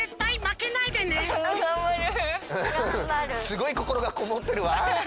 すごいこころがこもってるわ。